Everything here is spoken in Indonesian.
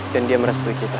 dan dia merestui kita